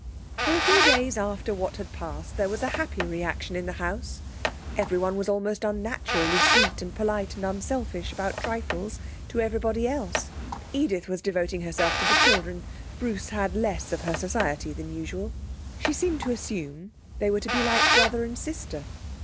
For a few days after what had passed there was a happy reaction in the house. Everyone was almost unnaturally sweet and polite and unselfish about trifles to everybody else. Edith was devoting herself to the children, Bruce had less of her society than usual. She seemed to assume they were to be like brother and sister.